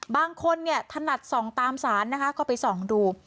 บางคนเนี่ยถนัดส่องตามสารนะคะก็ไปส่องดู